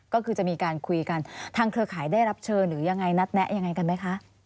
ก็คือจะมีการคุยกันทางเครือข่ายได้รับเชิญหรือยังไงนัดแนะยังไงกันไหมคะ